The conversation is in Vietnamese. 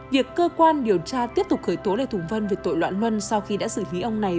việc cơ quan điều tra tiếp tục khởi tố lê hồng vân về tội loạn luân sau khi đã xử lý ông này